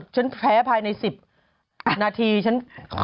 ฉันแพ้ภายใน๑๐นาทีฉัน